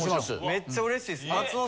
めっちゃ嬉しいです。